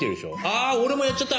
あ俺もやっちゃった！